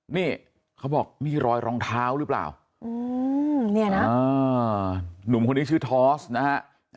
นี่เขาบอกมีรอยรองเท้าหรือเปล่าเนี่ยนะหนุ่มคนนี้ชื่อทอสนะฮะ